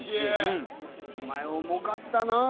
お前重かったなあ